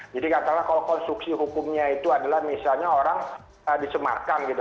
jadi katanya kalau konstruksi hukumnya itu adalah misalnya orang disemarkan gitu